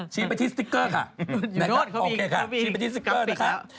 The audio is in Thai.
ชิ้นไปที่สติ๊กเกอร์ค่ะโอเคค่ะชิ้นไปที่สติ๊กเกอร์นะคะ